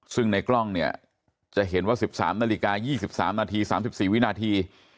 ซึ่งในกล้องเนี่ยจะเห็นว่า๑๓นาฬิกา๒๓นาที๓๔วินาที